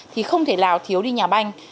thì không thể nào thiếu đi nhà banh